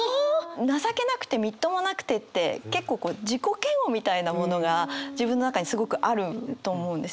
情けなくてみっともなくてって結構こう自己嫌悪みたいなものが自分の中にすごくあると思うんですよ